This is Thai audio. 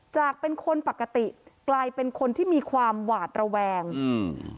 จากเป็นคนปกติกลายเป็นคนที่มีความหวาดระแวงอืม